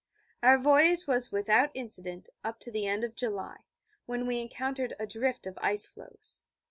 Our voyage was without incident up to the end of July, when we encountered a drift of ice floes.